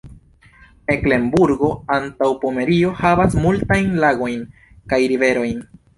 Meklenburgo-Antaŭpomerio havas multajn lagojn kaj riverojn.